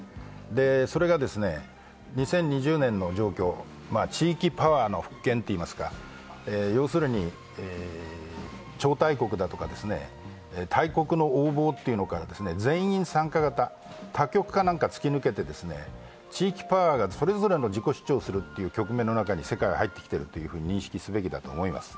それが２０２０年の状況、地域パワーの復権と言いますか、要するに超大国だとか大国の横暴というのから全員参加型、多極化なんか突き抜けて地域パワーがそれぞれの自己主張をするという局面の中に世界は入ってきていると認識すべきだと思います。